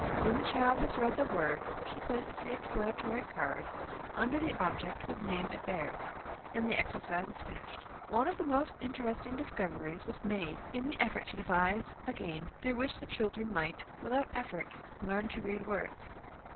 When the child has read the word, he places the explanatory card under the object whose name it bears, and the exercise is finished. One of our most interesting discoveries was made in the effort to devise a game through which the children might, without effort, learn to read words.